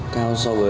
cao so với